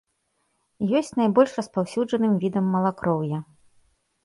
Ёсць найбольш распаўсюджаным відам малакроўя.